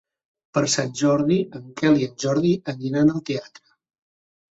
Per Sant Jordi en Quel i en Jordi aniran al teatre.